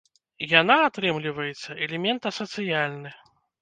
Яна, атрымліваецца, элемент асацыяльны.